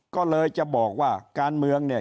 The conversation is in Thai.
ก็เลยจะบอกว่าการเมืองเนี่ย